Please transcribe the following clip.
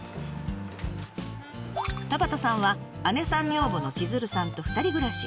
田端さんは姉さん女房の千鶴さんと２人ぐらし。